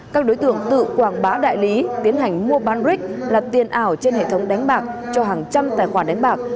các đối tượng tự quảng bá đại lý tiến hành mua bán rick là tiền ảo trên hệ thống đánh bạc cho hàng trăm tài khoản đánh bạc